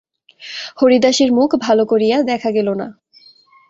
হরিদাসীর মুখ ভালো করিয়া দেখা গেল না।